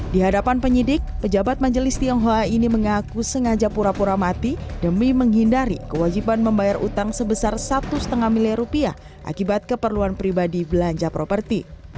di hadapan penyidik pejabat majelis tionghoa ini mengaku sengaja pura pura mati demi menghindari kewajiban membayar utang sebesar satu lima miliar rupiah akibat keperluan pribadi belanja properti